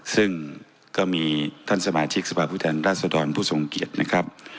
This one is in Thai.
ซึ่งก็มีท่านสมาชิกสภาพุทธแห่งรัศดรพุทธส่งเกียรตินะครับ